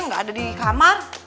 gak ada di kamar